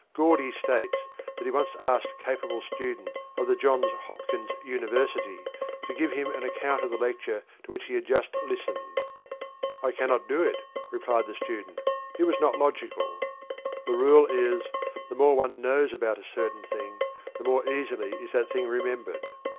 Gordy states that he once asked a capable student of the Johns Hopkins University to give him an account of a lecture to which he had just listened. "I cannot do it," replied the student; "it was not logical." The rule is: The more one knows about a certain thing, the more easily is that thing remembered.